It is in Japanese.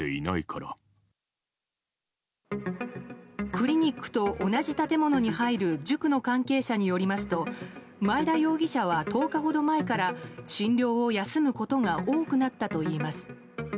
クリニックと同じ建物に入る塾の関係者によりますと前田容疑者は、１０日ほど前から診療を休むことが多くなったといいます。